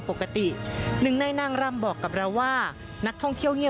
บริเวณหน้าสารพระการอำเภอเมืองจังหวัดลบบุรี